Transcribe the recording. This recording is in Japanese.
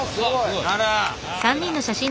あら。